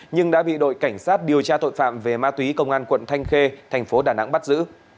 nhưng đã bị đội cảnh sát điều tra tội phạm về ma túy công an quận thanh khê thành phố đà nẵng bắt giữ